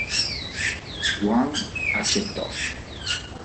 Yuan accettò.